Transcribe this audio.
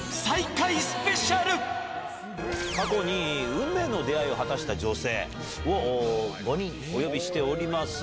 過去に運命の出会いを果たした女性を５人お呼びしております。